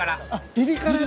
ピリ辛！